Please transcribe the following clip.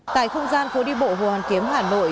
tại không gian phố đi bộ hồ hoàn kiếm hà nội